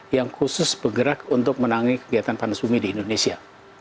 yang khusus bergerak untuk menangani kegiatan panas bumi di indonesia